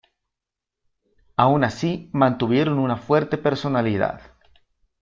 Aun así, mantuvieron una fuerte personalidad.